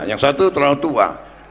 yang satu terlalu tua